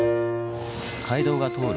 街道が通る